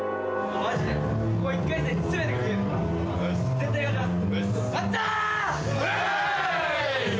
絶対勝ちます。